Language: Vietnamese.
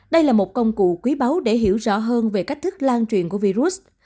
đây là một công cụ quý báu để hiểu rõ hơn về cách thức lan truyền của virus